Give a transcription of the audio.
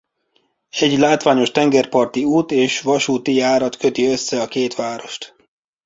Egy látványos tengerparti út és vasúti járat köti össze a két várost.